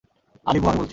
আরিভু, আমি বলছি।